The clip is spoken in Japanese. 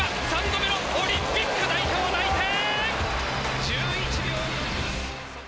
３度目のオリンピック代表内定！